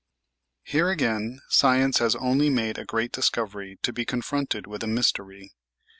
Here again science has only made a great discovery to be confronted with a mystery.